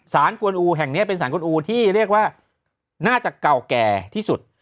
กวนอูแห่งนี้เป็นสารกวนอูที่เรียกว่าน่าจะเก่าแก่ที่สุด